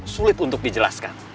sulit untuk dijelaskan